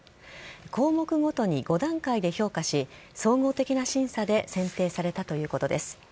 項目ごとに、５段階で評価し総合的な審査で選定されたということです。